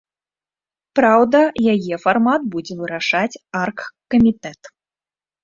Праўда, яе фармат будзе вырашаць аргкамітэт.